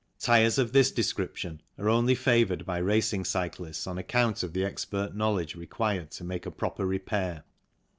Tyres of this descrip tion are only favoured by racing cyclists on account of the expert knowledge required to make a proper repair.